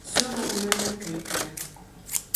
Suqu umañaq kayka.